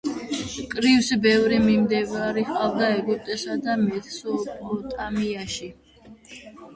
კრივს ბევრი მიმდევარი ჰყავდა ეგვიპტესა და მესოპოტამიაში.